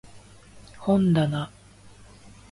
本だな